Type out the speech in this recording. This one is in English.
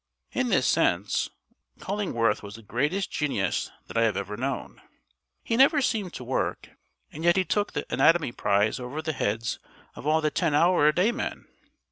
In this sense Cullingworth was the greatest genius that I have ever known. He never seemed to work, and yet he took the anatomy prize over the heads of all the ten hour a day men.